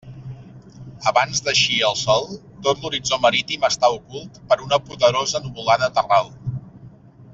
Abans d'eixir el sol tot l'horitzó marítim està ocult per una poderosa nuvolada terral.